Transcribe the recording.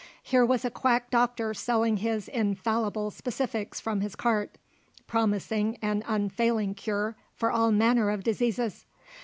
Here was a quack doctor selling his infallible specifics from his cart, promising an unfailing cure for all manner of diseases.